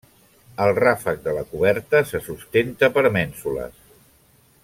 El ràfec de la coberta se sustenta per mènsules.